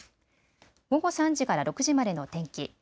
午後３時から６時までの天気。